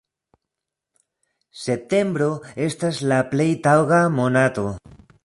Septembro estas la plej taŭga monato.